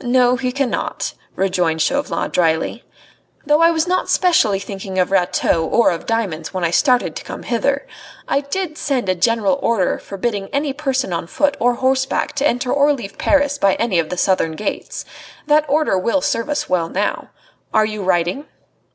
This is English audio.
"No, he cannot," rejoined Chauvelin dryly. "Though I was not specially thinking of Rateau or of diamonds when I started to come hither. I did send a general order forbidding any person on foot or horseback to enter or leave Paris by any of the southern gates. That order will serve us well now. Are you riding?"